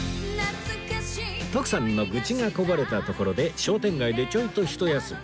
徳さんの愚痴がこぼれたところで商店街でちょいとひと休み